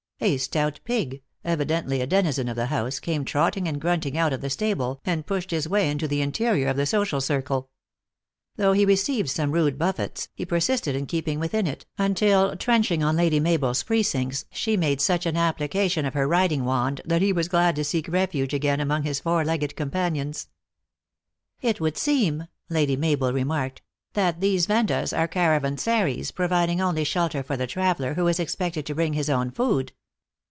A stout pig, evidently a denizen of the house, came trotting and grunting out of the stable, and pushed his way into the interior of the social circle. Though he received some rude buffets, he persisted in keeping within it, until, trenching on THE ACTRESS IN HIGH LIFE. 141 Lady Mabel s precincts, she made such an application of her riding wand that he was glad to seek refuge again among his four legged companions. "It would seem," Lady Mabel remarked, "that these Vendas are caravansaries, providing only shel ter for the traveler, who is expected to bring his own food."